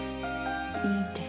いいんです。